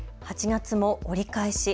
８月も折り返し。